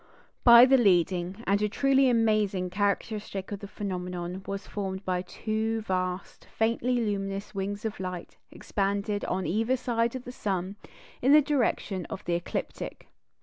But the leading, and a truly amazing, characteristic of the phenomenon was formed by two vast, faintly luminous wings of light, expanded on either side of the sun in the direction of the ecliptic.